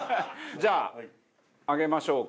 じゃあ上げましょうか。